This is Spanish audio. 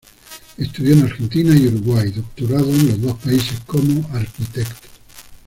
Estudió en Argentina y Uruguay, doctorado en los dos países como arquitecto.